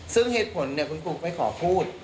ซึ่งเหตุผลคุณครูไม่ขอพูด